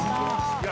いや